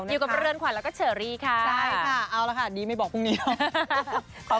อยู่กับเรือนขวัญแล้วก็เชอรี่ค่ะใช่ค่ะเอาละค่ะดีไม่บอกพรุ่งนี้แล้ว